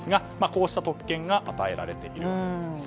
こうした特権が与えられます。